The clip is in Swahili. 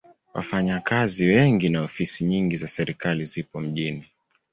Wafanyakazi wengi na ofisi nyingi za serikali zipo mjini.